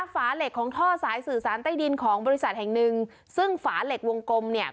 ฝาเหล็กของท่อสายสื่อสารใต้ดินของบริษัทแห่งหนึ่งซึ่งฝาเหล็กวงกลมเนี่ย